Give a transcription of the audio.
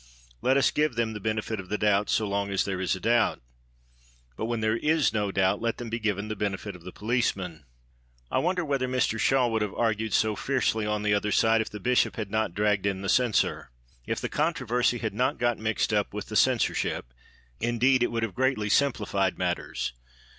Let us give them the benefit of the doubt, so long as there is a doubt. But when there is no doubt, let them be given the benefit of the policeman. I wonder whether Mr Shaw would have argued so fiercely on the other side if the Bishop had not dragged in the Censor. If the controversy had not got mixed up with the Censorship, indeed, it would have greatly simplified matters.